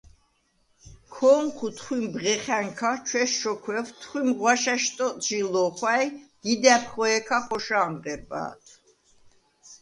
ქო̄ნჴუ თხვიმ ბღეხა̈ნქა, ჩვესჩოქვევ, თხვიმ ღვაშა̈შ ტოტჟი ლო̄ხვა̈ჲ, დიდა̈ბ ხვე̄ქა ხოშა̄მ ღე̄რბათვ.